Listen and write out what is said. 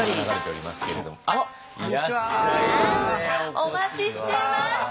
あお待ちしてました！